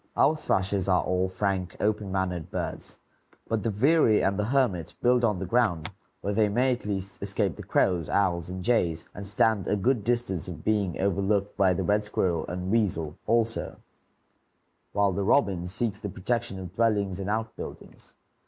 Our thrushes are all frank, open mannered birds; but the veery and the hermit build on the ground, where they may at least escape the crows, owls, and jays, and stand a good chance of being overlooked by the red squirrel and weasel also; while the robin seeks the protection of dwellings and outbuildings.